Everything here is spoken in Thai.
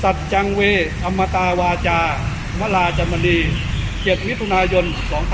สัจจังเวอำมตาวาจามราจมณี๗วิทยุนายน๒๕๖๒